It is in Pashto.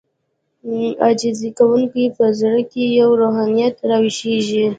عاجزي کوونکی په زړه کې يې روحانيت راويښېږي.